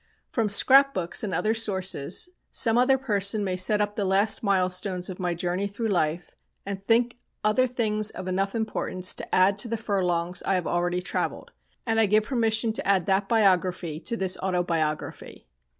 From scrap books and other sources, some other person may set up the last milestones of my journey through life, and think other things of enough importance to add to the furlongs I have already travelled; and I give permission to add that biography to this autobiography.